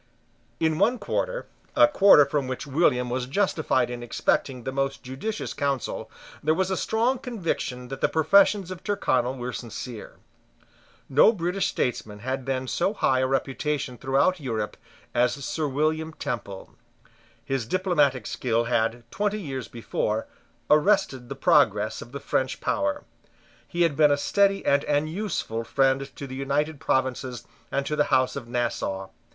In one quarter, a quarter from which William was justified in expecting the most judicious counsel, there was a strong conviction that the professions of Tyrconnel were sincere. No British statesman had then so high a reputation throughout Europe as Sir William Temple. His diplomatic skill had, twenty years before, arrested the progress of the French power. He had been a steady and an useful friend to the United Provinces and to the House of Nassau.